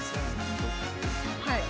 はい。